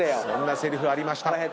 そんなせりふありました。